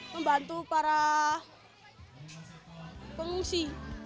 membantu para pengungsi